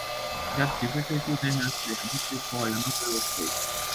That directive has been adopted by a number of states.